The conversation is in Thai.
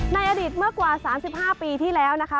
อดีตเมื่อกว่า๓๕ปีที่แล้วนะคะ